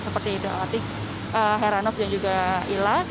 seperti itu hati heranov dan juga ila